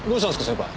先輩。